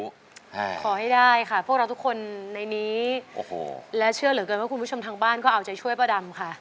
ขอให้ได้ค่ะพวกเราทุกคนในนี้โอ้โหและเชื่อเหลือเกินว่าคุณผู้ชมทางบ้านก็เอาใจช่วยป้าดำค่ะ